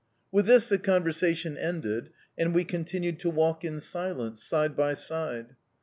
With this the conversation ended, and we continued to walk in silence, side by side.